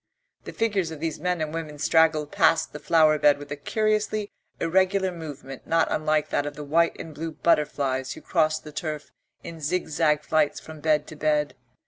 The figures of these men and women straggled past the flower bed with a curiously irregular movement not unlike that of the white and blue butterflies who crossed the turf in zig zag flights from bed to bed.